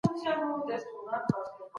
ډیپلوماسي د ملتونو ترمنځ پل دی.